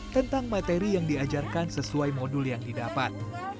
tentang materi yang diajarkan sesuai modul yang didapat